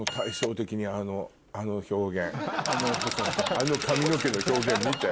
あの髪の毛の表現見て。